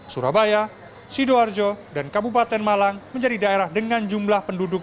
surabaya sidoarjo dan kabupaten malang menjadi daerah dengan jumlah penduduk